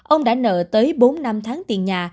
ông đã nợ tới bốn năm tháng tiền nhà